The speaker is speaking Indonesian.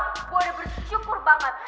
gue udah bersyukur banget